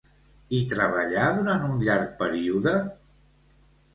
Hi treballà durant un llarg període?